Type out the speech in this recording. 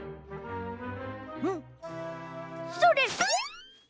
うんそれ。